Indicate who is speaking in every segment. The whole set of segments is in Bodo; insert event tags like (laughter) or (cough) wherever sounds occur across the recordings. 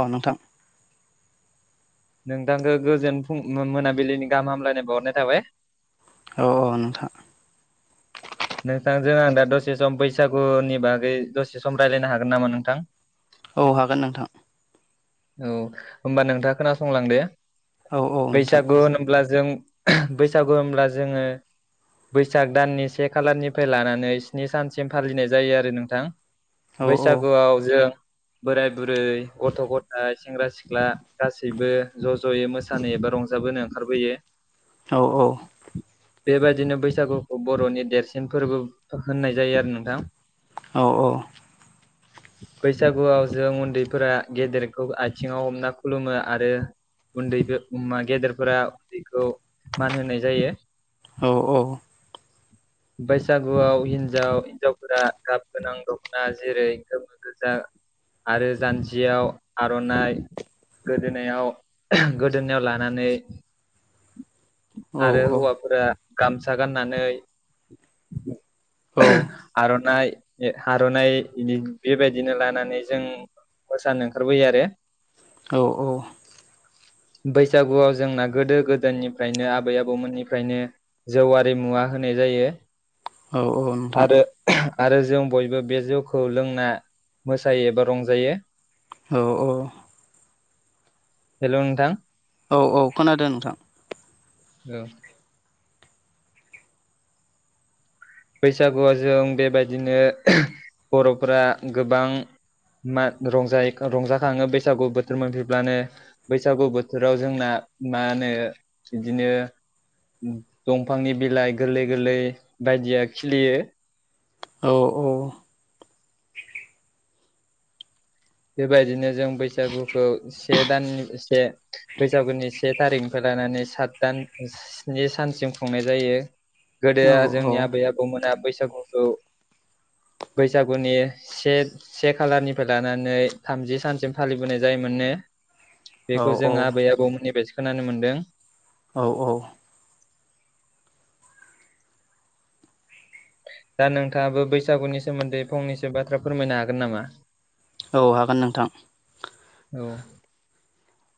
Speaker 1: अ नोंथां
Speaker 2: नोंथांखौ गोजोन फुं मोनाबिलिनि गाहाम हामलायनाय बावहरनाय थाबाय
Speaker 1: औ-औ नोंथां
Speaker 2: नोंथांजों आं दा दसे सम बैसागुनि बागै दसे सम रायज्लायनो हागोन नामा नोंथां
Speaker 1: औ हागोन नोंथां
Speaker 2: औ होमबा नोंथांङा खोनासंलांदो
Speaker 1: औ औ नोंथां
Speaker 2: बैसागु होनोब्ला जों बैसागु होनब्ला जोंङो बैसाग दाननि से खालारनिफ्राय लानानै स्नि सानसिम फालिनाय जायो आरो नोंथां
Speaker 1: औ औ
Speaker 2: बैसागुआव जों बोराय बुरै गथ गद सेंग्रा सिख्ला गासैबो ज जयै मोसानो एबा रंजाबोनो ओंखारबोयो
Speaker 1: औ-औ
Speaker 2: बेबायदिनो बैसागुखौ बरनि देरसिन फोरबो होननाय जायो आरो नोंथां
Speaker 1: औ-औ
Speaker 2: बैसागुआव जों उन्दैफोरा गेदेर आथिंङाव हमना खुलुमो आरो उन्दैबो अमा गेदेरफोरा उन्दैखौ मान होनाय जायो
Speaker 1: औ-औ
Speaker 2: बैसागुआव हिनजाव हिनजावफोरा गाब गोनां दखना जेरै गोमो गोजा आरो जान्जियाव आरनाइ गोदोनायाव गोदोनायाव लानानै आरो हौवाफोरा गामसा गाननानै आरनाय हे हारनाइ बेबायदिनो लानानै जों मोसानो ओंखारबोयो आरो
Speaker 1: औ-औ
Speaker 2: बैसागुआव जोंना गोदो गोदोनिफ्रायनो आबै आबौमोननिफ्रायनो जौवारि मुवा होन होननाय जायो
Speaker 1: औ-औ नोंथां
Speaker 2: आरो आरो जों बयबो बे जौखौ लोंना मोसायो एबा रंजायो
Speaker 1: औ-औ
Speaker 2: हेलौ नोंथां
Speaker 1: औ-औ खोनादों नोंथां
Speaker 2: ओं बैसागुआ जों बेबायदिनो बरफ्रा गोबां मा रंजायो रंजाखांङो बैसागु बोथोर मोनफैब्लानो बैसागु बोथोराव जोंना मा होनो इदिनो दंफांनि बिलाइ गोरलै-गोरलै बायदिया खिलियो
Speaker 1: औ-औ
Speaker 2: बेबायदिनो जों बैसागुखौ से दाननि से बैसागुनि से थारिखनिफ्राय लानानै सात दान स्नि सानसिम खुंनाय जायो गोदो
Speaker 1: औ
Speaker 2: आ
Speaker 1: औ
Speaker 2: जोंनि आबै आबौमोना बैस बैसागुखौ से सेखालारनिफ्राय लानानै (unintelligible) थामजि सानसिम फालिबोनाय जायोमोननो
Speaker 1: औ
Speaker 2: बेखौ जों आबै आबौमोननिफाइसो खोनानो मोन्दों
Speaker 1: औ-औ
Speaker 2: दा नोंथांङाबो बैसागुनि सोमोन्दै फंनैसो बाथ्रा फोरमायनो हागोन नामा
Speaker 1: औ हागोन नोंथां
Speaker 2: औ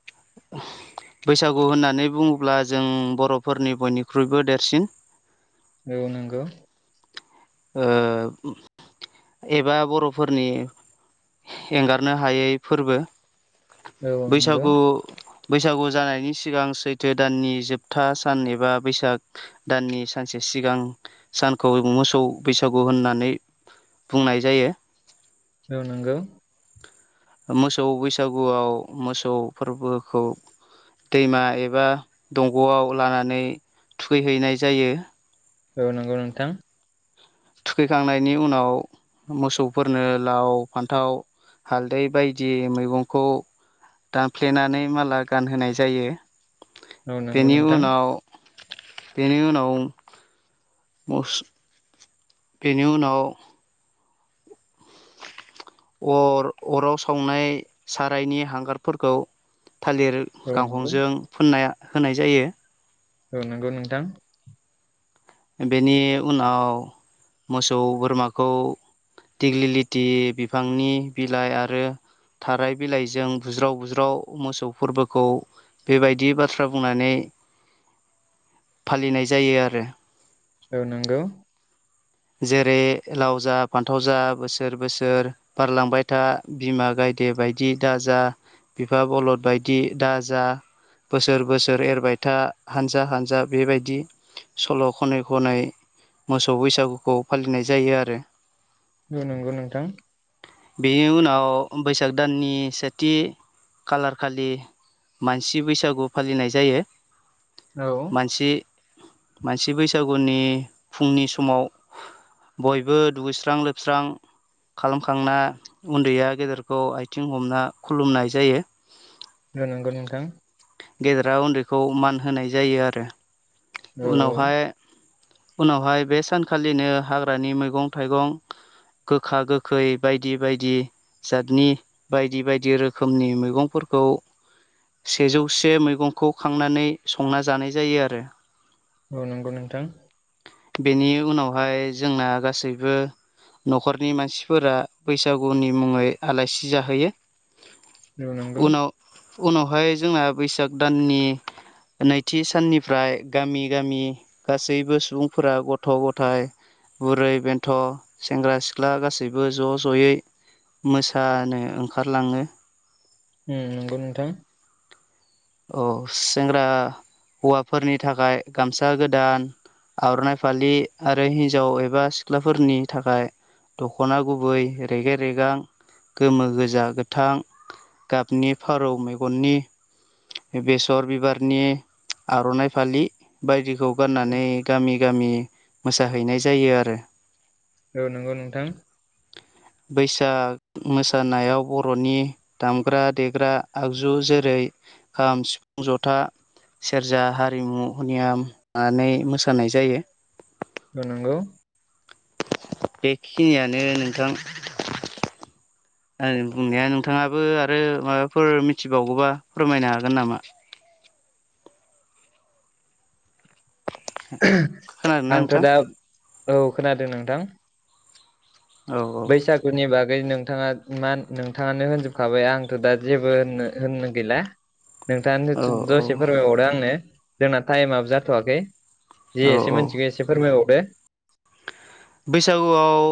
Speaker 1: (unintelligible) बैसागु होननानै बुंङोब्ला जों बर'फोरनि बयनिख्रुइबो देरसिन
Speaker 2: औ नंगौ।
Speaker 1: ओ एबा बर'फोरनि एंगारनो हायै फोरबो।
Speaker 2: औ नंगौ
Speaker 1: बैसागु बैसागु जानायनि सिगां सैथो दाननि जोबथा सान एबा बैसाग दाननि सानसे सिगां सानखौ मोसौ बैसागु होननानै बुंनाय जायो।
Speaker 2: औ नोंगौ।
Speaker 1: मोसौ बैसागुआव मोसौ फोरबोखौ दैमा एबा दंग'आव लानानै थुखैहैनाय जायो।
Speaker 2: औ नंगौ नोंथां।
Speaker 1: थुखैखांनायनि उनाव मोसौफोरनो लाव फान्थाव। हालदै बायदि मैगंखौ दानफ्लेनानै माला गानहोनाय जायो।
Speaker 2: औ नंगौ
Speaker 1: बेनि
Speaker 2: नोंथां।
Speaker 1: उनाव बेनि उनाव मस बेनि उनाव अर अराव सावनाय सारायनि हांगारफोरखौ थालिर
Speaker 2: औ नंगौ
Speaker 1: गांखंजों फोनना होनाय जायो।
Speaker 2: औ नंगौ नोंथां।
Speaker 1: बेनि उनाव मोसौ बोरमाखौ दिग्लि लिटि बिफांनि बिलाइ आरो थाराय बिलाइजों बुज्राव बुज्राव मोसौ फोरबोखौ बेबायदि बाथ्रा बुंनानै
Speaker 2: (inaudible)
Speaker 1: फालिनाय जायो आरो।
Speaker 2: औ नंगौ।
Speaker 1: जेरै लाव जा फान्थाव जा बोसोर बोसोर बारलांबाय था बिमा गाय गेदे बायदि दा जा बिफा बलद बायदि दा जा बोसोर बोसोर एरबायथा हानजा हानजा बेबायदि। सल' खनै खनै मोसौ बैसागुखौ फालिनाय जायो आरो
Speaker 2: औ नंगौ नोंथां।
Speaker 1: बेनि उनाव बैसाग दाननि सेथि खालार खालि मानसि बैसागु फालिनाय जायो।
Speaker 2: औ
Speaker 1: मानसि मानसि बैसागुनि फुंनि समाव बयबो दुगैस्रां लोबस्रां खालामखांना उन्दैया गेदेरखौ आथिं हमना खुलुमनाय जायो।
Speaker 2: औ नंगौ नोंथां।
Speaker 1: गेदेरा उन्दैखौ मान होनाय जायो आरो
Speaker 2: औ
Speaker 1: उनावहाय उनावहाय बे सानखालिनो हाग्रानि मैगं थाइगं गोखा गोखै बायदि बायदि । जादनि बायदि बायदि रोखोमनि मैगंफोरखौ सेजौसे मैगंखौ खांनानै संना जानाय जायो आरो।
Speaker 2: औ नंगौ नोंथां।
Speaker 1: बेनि उनावहाय जोंना गासैबो न'खरनि मानसिफोरा बैसागुनि मुङै आलासि जाहोयो।
Speaker 2: औ नांगौ।
Speaker 1: उनावहाय जोंना बैसाग दाननि नैथि साननिफ्राय गामि गामि गासैबो सुबुंफोरा गथ' थ' गथाय बुरै बेन्थ' सेंग्रा सिख्ला गासैबो ज' ज'यै मोसानो ओंखारलाङो।
Speaker 2: उम नंगौ नोंथां।
Speaker 1: औ सेंग्रा हौवाफोरनि थाखाय गामसा गोदान। आर'नाइ फालि आरो हिन्जाव एबा सिख्लाफोरनि थाखाय। दख'ना गुबै रेगे रेगां गोमो गोजा गोथां। गाबनि फारौ मेगननि। बेसर बिबारनि आर'नाइ फालि बायदिखौ गाननानै गामि। गामि मोसाहैनाय जायो आरो।
Speaker 2: औ नंगौ नोंथां।
Speaker 1: बैसाग मोसानायाव बर'नि दामग्रा देग्रा आगजु जेरै खाम, सिफुं, जथा, सेरजा, हारिमुनियामनानै मोसानाय जायो।
Speaker 2: औ नंगौ।
Speaker 1: बेखिनियानो नोंथां। आंनि बुंनाया नोंथाङाबो आरो माबाफोर मिथिबावगौबा फोरमायनो हागोन नामा।
Speaker 2: (inaudible)
Speaker 1: खोनादोंना
Speaker 2: आंथ'
Speaker 1: नोंथां
Speaker 2: दा औ खोनादों नोंथां।
Speaker 1: औ
Speaker 2: बैसागुनि बागै नों थाङा मा नोंथाङानो होनजोबखाबाय आंथ' दा जेबो होननो होननो गैला। नोंथाङानो
Speaker 1: औ
Speaker 2: दसे फोरमायबावदो आंनो जोंना टाइमाबो जाथ'वाखै। (unintelligible)
Speaker 1: औ औ
Speaker 2: एसे फोरमाय बावदो।
Speaker 1: बैसागुआव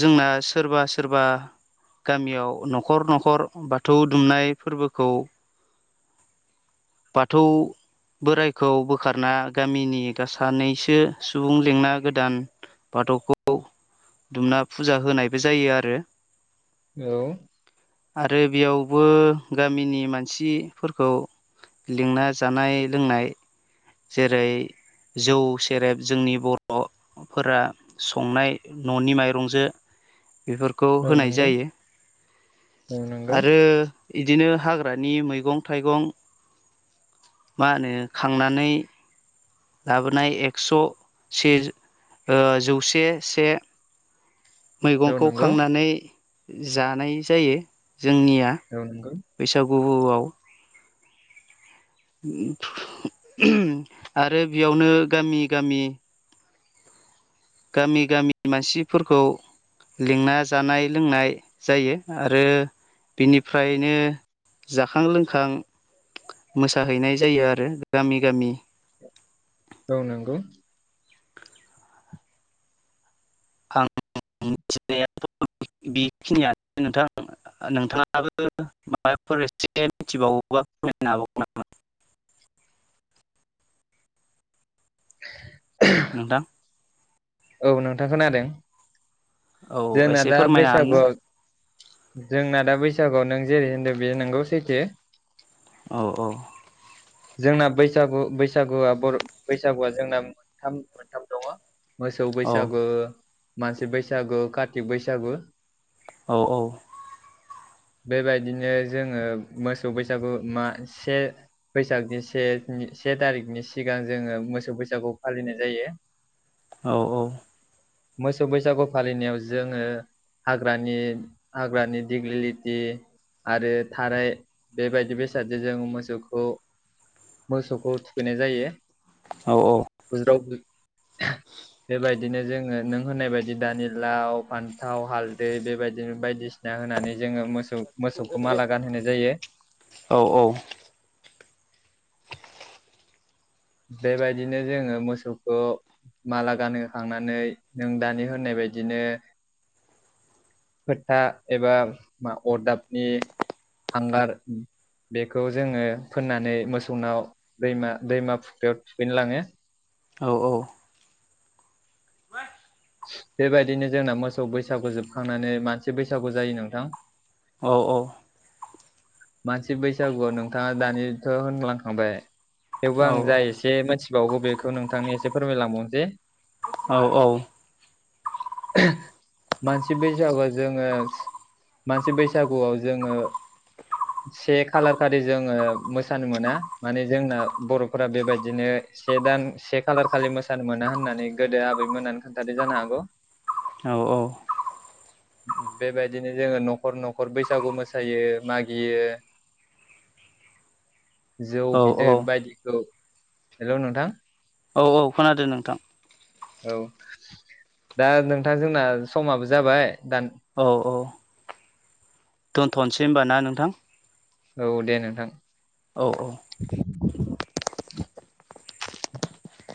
Speaker 1: जोंना सोरबा सोरबा गामियाव न'खर न'खर बाथौ दुमनाय फोरबोखौ। बाथौ। बोरायखौ बोखारना गामिनि (unintelligible) सानैसो सुबुं लेंना गोदान बाथौखौ दुमना फुजा होनायबो जायो आरो।
Speaker 2: औ।
Speaker 1: आरो बेयावबो गामिनि मानसिफोरखौ लिंना जानाय लोंनाय जेरै जौ सेरेब जोंनि बर'फोरा संनाय न'नि माइरंजों
Speaker 2: (inaudible)
Speaker 1: बेफोरखौ
Speaker 2: औ
Speaker 1: होनाय
Speaker 2: नंगौ
Speaker 1: जायो
Speaker 2: औ नंगौ
Speaker 1: आरो। दिनो हाग्रानि मैगं थाइगं। मा होनो खांनानै लाबोनाय एक्स' से जौसे से
Speaker 2: औ
Speaker 1: मैगंखौ
Speaker 2: नंगौ
Speaker 1: खांनानै जानाय जायो। जोंनिया
Speaker 2: औ नंगौ।
Speaker 1: बैसागुआव। (unintelligible) आरो बेयावनो गामि गामि। गामि गामि मानसिफोरखौ लिंना जानाय लोंनाय जायो आरो बिनिफ्रायनो जाखां लोंखां मोसाहैनाय जायो आरो गामि गामि।
Speaker 2: औ नंगौ।
Speaker 1: (unintelligible) नोंथां नोंथाङाबो माबा फरेस्टसे मिथिबावोबा फोरमायनो हाबावगोन नामा।
Speaker 2: (inaudible) (inaudible)
Speaker 1: नोंथां।
Speaker 2: औ नोंथां खोनादों
Speaker 1: औ
Speaker 2: जोंना
Speaker 1: एसे
Speaker 2: दा
Speaker 1: फोरमायनो
Speaker 2: बैसागुआव जोंना दा बैसागुआव नों जेरै होनदों बे नोंगौ सैथो।
Speaker 1: औ औ।
Speaker 2: जोंना बैसागु बैसागुआ बर' बैसागुआ जोंना मोनथाम मोनथाम दङ। मोसौ
Speaker 1: ना औ
Speaker 2: बैसागु मानसि बैसागु कार्तिक बैसागु।
Speaker 1: औ औ।
Speaker 2: बेबायदिनो जोङो मोसौ बैसागु मा से बैसागनि से से थारिखनि सिगां जोङो मोसौ बैसागुखौ फालिनाय जायो।
Speaker 1: औ औ।
Speaker 2: मोसौ बैसागु फालिनायाव जोङो। हाग्रानि हाग्रानि दिग्लिलिथि। आरो थाराय बेबायदि बेसादजों जों मोसौखौ मोसौखौ थुखैनाय जायो
Speaker 1: औ
Speaker 2: बुज्राव बु बेबायदिनो जोङो नों होननाय बायदि दानि लाव फान्थाव हालदै बेबायदिनो बायदिसि ना होनानै जोङो मोसौ मोसौखौ माला गानहोनाय जायो।
Speaker 1: औ
Speaker 2: बेबायदिनो जोङो मोसौखौ माला गानहोखांनानै नों दानि होननाय बाय बायदिनो फोथा एबा अरदाबनि हांगार बेखौ जोङो फोननानै मोसौनाव दैमा दैमा। याव थुखैनो लाङो।
Speaker 1: औ औ।
Speaker 2: बेबायदिनो जोंना मोसौ बैसागु जोबखांनानै मानसि बैसागु जायो नोंथां।
Speaker 1: औ औ।
Speaker 2: मानसि बैसागुआव नोंथाङा दानिथ' होनलांखांबाय थेवबो आं जा एसे मिथि बावो बेखौ नोंथांनि एसे फोरमायलांबावसै।
Speaker 1: औ औ।
Speaker 2: (unintelligible) मानसि बैसागुआव जोङो मानसि बैसागुआव जोङो से खालार खालि जोङो मोसानो मोना माने जोंना बर'फोरा बेबायदिनो से दान से खालार खालि मोसानो मोना होननानै गोदो आबैमोनानो खोन्थादो जानो हागौ।
Speaker 1: औ औ।
Speaker 2: बेबायदिनो जोङो न'खर न'खर बैसागु मोसायो मागि गियो जौ
Speaker 1: औ
Speaker 2: बिदै
Speaker 1: औ
Speaker 2: बायदिखौ हेलौ नोंथां।
Speaker 1: औ औ खोनादों नोंथां।
Speaker 2: औ दा नोंथां जोंना समाबो जाबाय दान
Speaker 1: औ औ। दोनथ'नोसै होमबा ना नोंथां?
Speaker 2: औ दे नोंथां।
Speaker 1: औ औ।